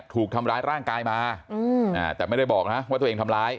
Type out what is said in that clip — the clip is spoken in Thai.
ถูกทำร้ายร่างกายมาแต่ไม่ได้บอกนะว่าตัวเองทำร้าย